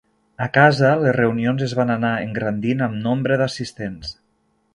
A casa, les reunions es van anar engrandint amb nombre d'assistents.